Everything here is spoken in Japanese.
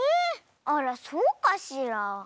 あらそうかしら。